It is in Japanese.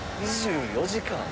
２４時間。